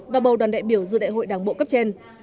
và bầu đoàn đại biểu dự đại hội đảng bộ cấp trên